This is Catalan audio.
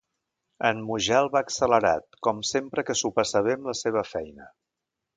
En Mujal va accelerat, com sempre que s'ho passa bé amb la seva feina.